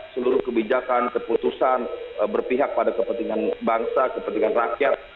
seluruh kebijakan keputusan berpihak pada kepentingan bangsa kepentingan rakyat